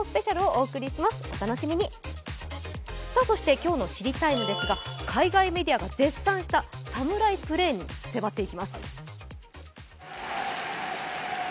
今日の「知りＴＩＭＥ，」ですが、海外メディアも絶賛した侍プレーに迫っていきます。